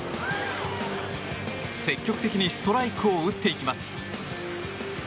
積極的にストライクを打っていきます。